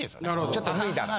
ちょっと脱いだら。